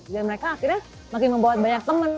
dan mereka akhirnya makin membawa banyak temen